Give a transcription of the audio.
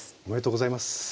おめでとうございます。